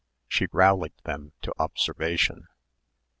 She rallied them to observation.